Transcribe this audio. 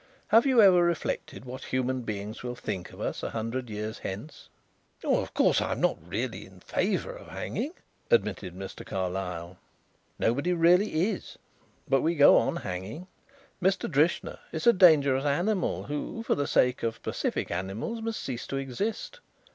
"Have you ever reflected what human beings will think of us a hundred years hence?" "Oh, of course I'm not really in favour of hanging," admitted Mr. Carlyle. "Nobody really is. But we go on hanging. Mr. Drishna is a dangerous animal who for the sake of pacific animals must cease to exist.